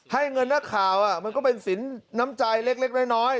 ให้เงินนักข่าวมันก็เป็นสินน้ำใจเล็กน้อย